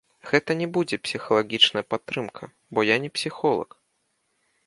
Гэта не будзе псіхалагічная падтрымка, бо я не псіхолаг.